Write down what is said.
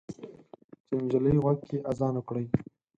چې د نجلۍ غوږ کې اذان وکړئ